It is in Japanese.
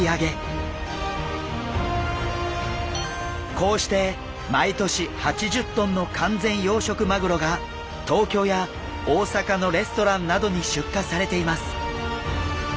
こうして毎年８０ｔの完全養殖マグロが東京や大阪のレストランなどに出荷されています。